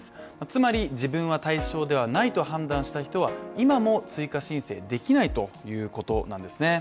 つまり、自分は対象ではないと判断した人は今も追加申請できないということなんですね